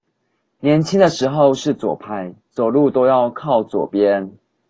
年輕的時候是左派，走路都要靠左邊